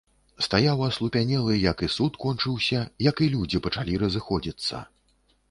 Стаяў, аслупянелы, як і суд кончыўся, як і людзі пачалі разыходзіцца.